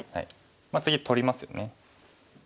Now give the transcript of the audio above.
次取りますよね。